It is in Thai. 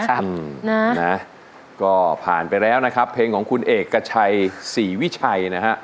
นะนะก็ผ่านไปแล้วนะครับเพลงของคุณเอกชัยศรีวิชัยนะฮะ